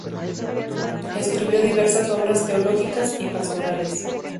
Escribió diversas obras teológicas y pastorales.